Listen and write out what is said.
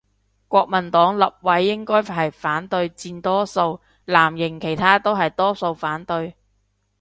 國民黨立委應該係反對佔多數，藍營其他都係多數反對